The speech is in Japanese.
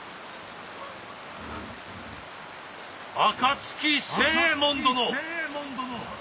暁星右衛門殿！